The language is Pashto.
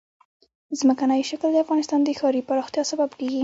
ځمکنی شکل د افغانستان د ښاري پراختیا سبب کېږي.